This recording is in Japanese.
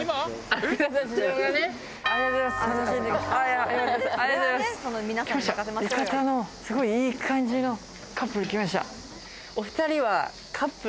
浴衣のすごいいい感じのカップル来ました。